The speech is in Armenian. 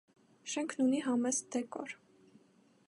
Շենքն ունի համեստ դեկոր։